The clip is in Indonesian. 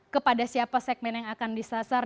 kepada siapa segmen yang akan disasar